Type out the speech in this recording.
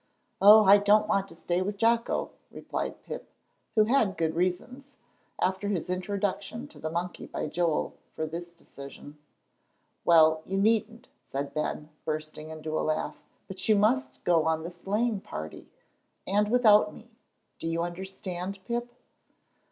"Oh, I don't want to stay with Jocko," replied Pip, who had good reasons, after his introduction to the monkey by Joel, for this decision. "Well, you needn't," said Ben, bursting into a laugh, "but you must go on the sleighing party, and without me. Do you understand, Pip?"